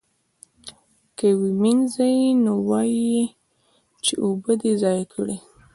که یې ومینځي نو وایي یې چې اوبه دې ضایع کړې.